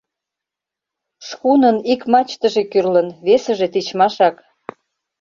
Шхунын ик мачтыже кӱрлын, весыже тичмашак.